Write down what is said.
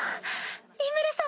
リムル様！